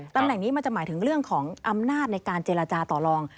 ตำแหน่งนี้มันจะหมายถึงเรื่องของอำนาจในการเจรจาต่อลอง